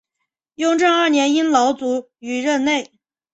雍正二年因劳卒于任内。